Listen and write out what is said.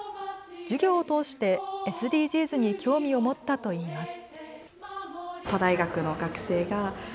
授業を通してＳＤＧｓに興味を持ったといいます。